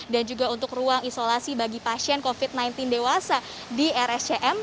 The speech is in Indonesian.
dan juga untuk ruang isolasi bagi pasien covid sembilan belas dewasa di rsjm